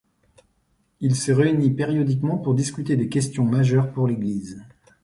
Il se réunit périodiquement pour discuter des questions majeures pour l'Église.